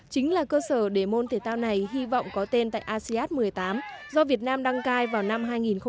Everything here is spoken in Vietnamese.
chính là cơ sở để môn thể thao này hy vọng có tên tại asean một mươi tám do việt nam đăng cai vào năm hai nghìn hai mươi